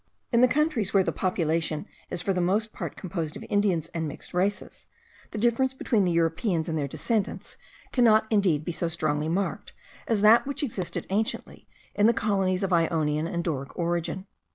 In the countries where the population is for the most part composed of Indians and mixed races, the difference between the Europeans and their descendants cannot indeed be so strongly marked, as that which existed anciently in the colonies of Ionian and Doric origin.